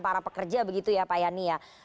para pekerja begitu ya pak yani ya